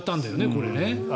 これね。